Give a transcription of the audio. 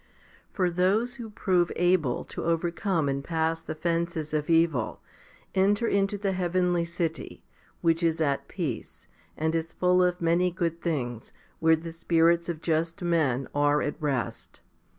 1 2. For those who prove able to overcome and pass the fences of evil, enter into the heavenly city, which is at peace, and is full of many good things, where the spirits of just men 2 are at rest.